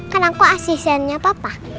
kan aku asisannya papa